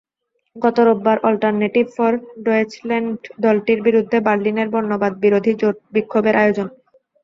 গত রোববার alternative for Deutschland দলটির বিরুদ্ধে বার্লিনের বর্ণবাদবিরোধী জোট বিক্ষোভের আয়োজন।